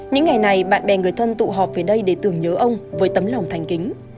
những ngày này bạn bè người thân tụ họp về đây để tưởng nhớ ông với tấm lòng thành kính